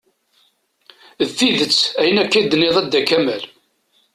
D tidet ayen akka i d-tenniḍ a Dda kamal.